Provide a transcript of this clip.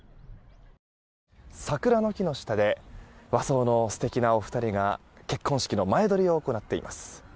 桜の木の下で和装の素敵なお二人が結婚式の前撮りを行っています。